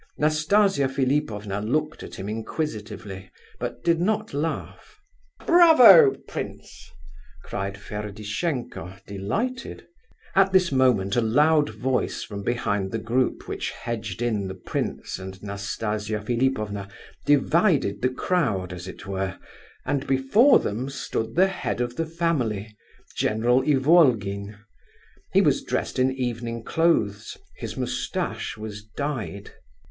Nastasia Philipovna looked at him inquisitively, but did not laugh. "Bravo, prince!" cried Ferdishenko, delighted. At this moment a loud voice from behind the group which hedged in the prince and Nastasia Philipovna, divided the crowd, as it were, and before them stood the head of the family, General Ivolgin. He was dressed in evening clothes; his moustache was dyed.